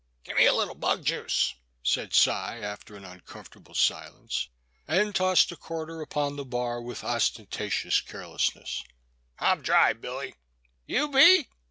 *' Gimme a little bug juice," said Cy, after an uncomfortable silence, and tossed a quarter upon the bar, with ostentatious carelessness, — I 'm dry, Billy." '*Yew be?"